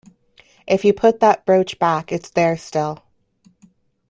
If you put that brooch back it’s there still.